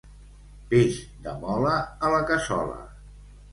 Peix de mola, a la cassola.